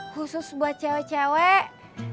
khusus buat cewek cewek